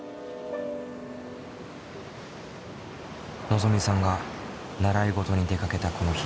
のぞみさんが習い事に出かけたこの日。